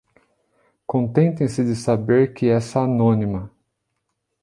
Contentem-se de saber que essa anônima